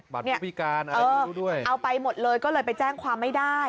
บัตรสวัสดิการเอาไปหมดเลยก็เลยไปแจ้งความไม่ได้